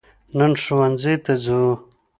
نن ښوونځي ته ځو